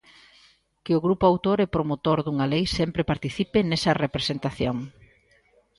Que o grupo autor e promotor dunha lei sempre participe nesa representación.